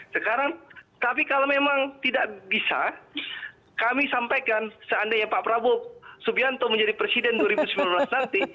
sekarang tapi kalau memang tidak bisa kami sampaikan seandainya pak prabowo subianto menjadi presiden dua ribu sembilan belas nanti